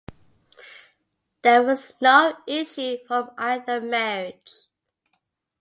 There was no issue from either marriage.